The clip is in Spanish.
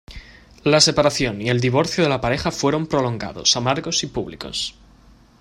La separación y el divorcio de la pareja fueron prolongados, amargos y públicos.